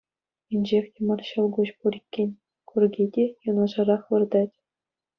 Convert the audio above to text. Инҫех те мар ҫӑл куҫ пур иккен, курки те юнашарах выртать.